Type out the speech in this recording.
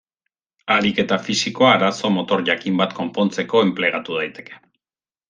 Ariketa fisikoa arazo motor jakin bat konpontzeko enplegatu daiteke.